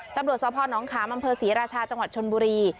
ตำรวจสพนขามอำเภอศรีราชาจังหวัดชนบุรี